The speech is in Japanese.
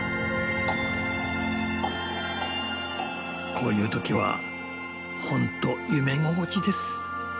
こういう時はほんと夢心地です。